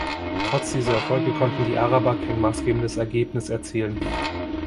Trotz dieser Erfolge konnten die Araber kein maßgebendes Ergebnis erzielen.